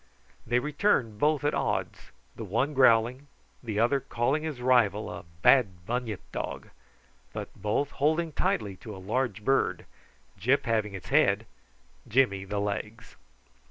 They returned both at odds, the one growling, the other calling his rival a bad bunyip dog, but both holding tightly by a large bird, Gyp having its head, Jimmy the legs.